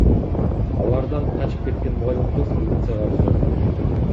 Алардан качып кеткен мугалим кыз милицияга арыз жазган.